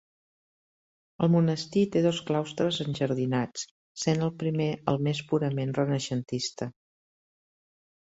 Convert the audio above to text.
El monestir té dos claustres enjardinats, sent el primer el més purament renaixentista.